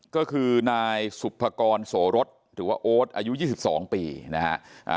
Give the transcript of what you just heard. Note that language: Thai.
ก็คือนายสุบพกรโสรศถือว่าโอ๊ธอายุ๒๒ปีนะครับ